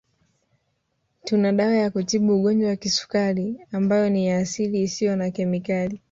Tuna dawa ya kutibu Ugonjwa wa Kisukari ambayo ni ya asili isiyo na kemikali